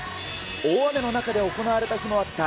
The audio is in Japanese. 大雨の中で行われた日もあった